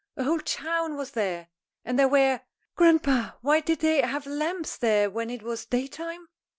A whole town was there. And there were Grandpa! why did they have lamps there when it was daytime?"